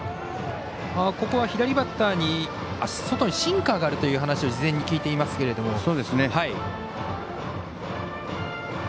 ここは左バッターにシンカーがあるという話を事前に聞いていますけども。